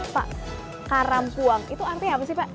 pak karampuang itu artinya apa sih pak